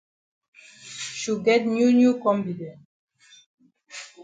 Shu get new new kombi dem.